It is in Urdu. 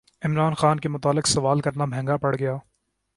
عمران خان کے متعلق سوال کرنا مہنگا پڑگیا